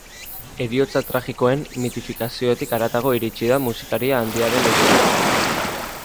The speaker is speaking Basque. Heriotza tragikoen mitifikaziotik haratago iritsi da musikari handiaren irudia.